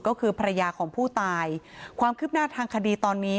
ก็คือภรรยาของผู้ตายความคืบหน้าทางคดีตอนนี้